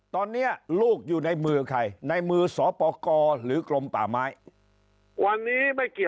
ตอนนี้ลูกอยู่ในมือใครในมือสวปกตร์หรือกลมป่าไม้